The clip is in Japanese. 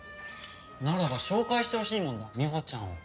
ならば紹介してほしいものだみほちゃんを。